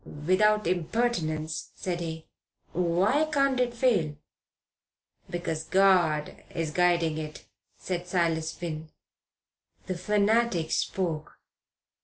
"Without impertinence," said he, "why can't it fail?" "Because God is guiding it," said Silas Finn. The fanatic spoke.